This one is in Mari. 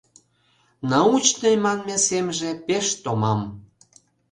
Научный манме семже пеш томам.